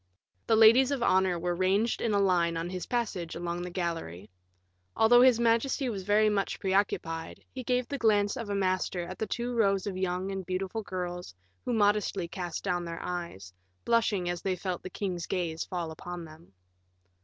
The ladies of honor were ranged in a line on his passage along the gallery. Although his majesty was very much preoccupied, he gave the glance of a master at the two rows of young and beautiful girls, who modestly cast down their eyes, blushing as they felt the king's gaze fall upon them.